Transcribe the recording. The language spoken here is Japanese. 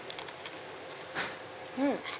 うん！